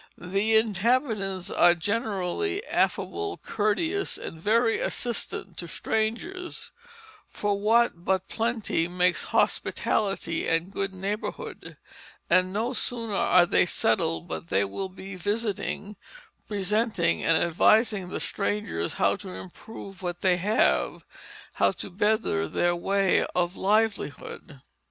"The inhabitants are generally affable, courteous, and very assistant to Strangers (for what but plenty makes hospitality and good neighbourhood) and no sooner are they settled, but they will be visiting, presenting and advising the strangers how to improve what they have, how to better their way of livelihood."